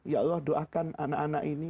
ya allah doakan anak anak ini